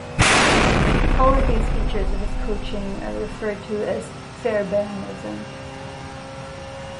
All of these features of his coaching are referred to as "Fairbairnism".